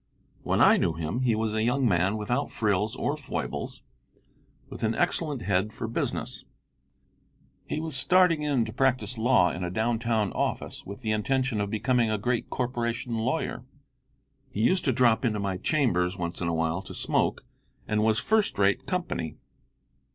When I knew him he was a young man without frills or foibles, with an excellent head for business. He was starting in to practise law in a downtown office with the intention of becoming a great corporation lawyer. He used to drop into my chambers once in a while to smoke, and was first rate company.